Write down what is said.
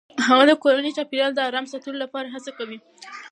هغه د کورني چاپیریال د آرام ساتلو لپاره هڅه کوي.